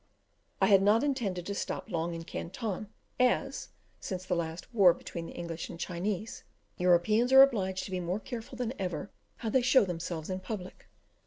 I had not intended to stop long in Canton, as, since the last war between the English and Chinese, Europeans are obliged to be more careful than ever how they show themselves in public.